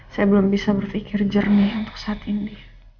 saya belum bisa berpikir jernih untuk saat ini